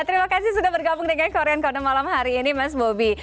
terima kasih sudah bergabung dengan korean conner malam hari ini mas bobi